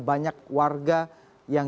banyak warga yang juga berpengalaman